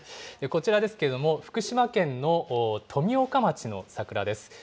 こちらですけれども、福島県の富岡町の桜です。